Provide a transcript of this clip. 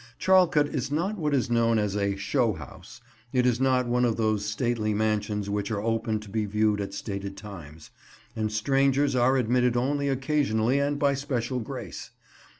Charlecote is not what is known as a "show house." It is not one of those stately mansions which are open to be viewed at stated times; and strangers are admitted only occasionally and by special grace.